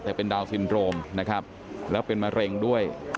แต่เป็นดาวนซินโรมนะครับแล้วเป็นมะเร็งด้วย